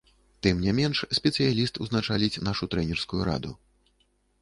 Тым не менш спецыяліст узначаліць нашу трэнерскую раду.